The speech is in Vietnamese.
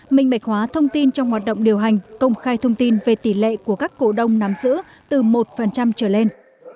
minh bạch hóa thông tin trong hoạt động điều hành công khai thông tin về tỷ lệ của các cổ đông nắm giữ từ một trở lên